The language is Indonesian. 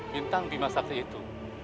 bintang bimasakri itu